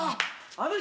あの人。